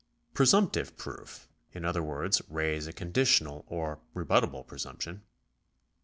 Presumptive proof — in other words, raise a conditional or rebuttable presumption ; 3.